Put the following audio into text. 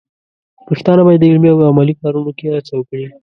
پښتانه بايد د علمي او عملي کارونو کې هڅه وکړي.